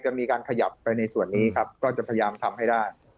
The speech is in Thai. มีการขยับไปในส่วนนี้ครับก็จะพยายามทำให้ได้